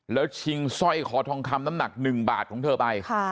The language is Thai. แล้วชิงสร้อยคอทองคำน้ำหนัก๑บาทของเธอไป